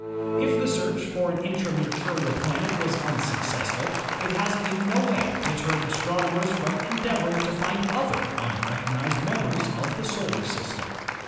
If the search for an intra Mercurial planet was unsuc cessful, it has in no way deterred astronomers from en deavoring to find other unrecognised members of the solar system.